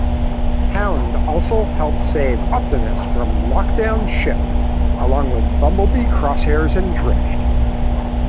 Hound also helps save Optimus from Lockdown's ship along with Bumblebee, Crosshairs, and Drift.